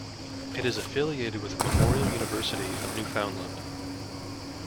It is affiliated with Memorial University of Newfoundland.